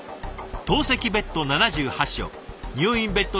透析ベッド７８床入院ベッド